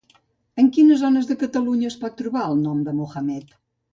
En quines zones de Catalunya es pot trobar el nom de Mohammed?